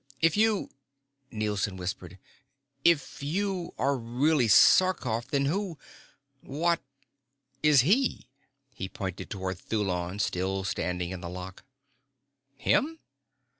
"If you " Nielson whispered. "If you are really Sarkoff, then who what is he?" He pointed toward Thulon still standing in the lock. "Him?"